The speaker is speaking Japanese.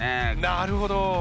なるほど！